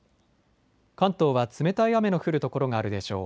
関東は冷たい雨の降る所があるでしょう。